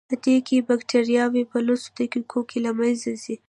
پدې کې بکټریاوې په لسو دقیقو کې له منځه ځي.